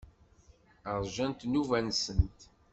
Ṛjant nnuba-nsent.